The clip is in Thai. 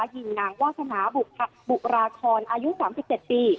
ยิงนางวาสนาบุราคอนอายุ๓๗ปี